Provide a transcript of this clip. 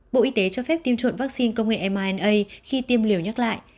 bộ y tế cho phép tiêm chuộn vaccine công nghệ mrna khi tiêm liều nhắc lại